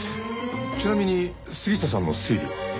ちなみに杉下さんの推理は？